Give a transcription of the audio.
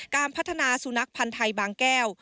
การพัฒนาสุนัขพันธ์ไทยบางแก้ว